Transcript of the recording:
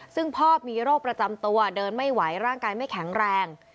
ซึ่งพ่อมีโรคประจำตัวเดินไม่ไหวร่างกายไม่แข็งแรง